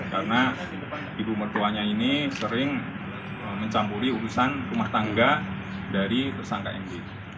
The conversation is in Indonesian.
karena ibu mertuanya ini sering mencampuri urusan kemah tangga dari tersangka md